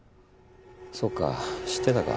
そうか知ってたか。